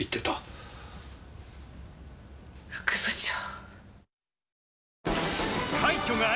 副部長。